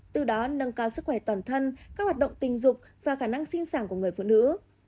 từ đó nâng cao sức khỏe toàn thân các hoạt động tình dục và khả năng sinh sản của người phụ nữ